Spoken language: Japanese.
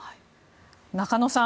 中野さん